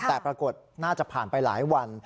แต่ปรากฏน่าจะผ่านไปหลายวัน